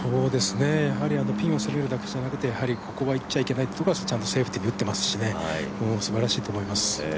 ピンを攻めるだけじゃなくてここはいってはいけないってところはセーフティーで打ってますしすばらしいと思います。